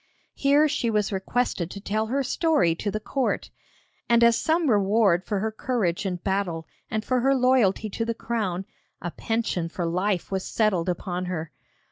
Here she was requested to tell her story to the court, and as some reward for her courage in battle and for her loyalty to the crown, a pension for life was settled upon her.